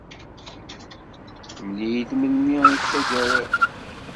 Mel-iyi melmi i d taggara-w.